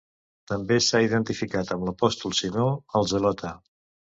També s'ha identificat amb l'apòstol Simó el Zelota.